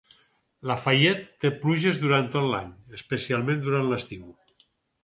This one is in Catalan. Lafayette té pluges durant tot l"any, especialment durant l"estiu.